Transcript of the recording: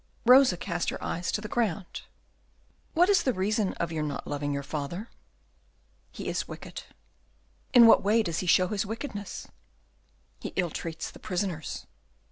Rosa cast her eyes to the ground. "What is the reason of your not loving your father?" "He is wicked." "In what way does he show his wickedness?" "He ill treats the prisoners."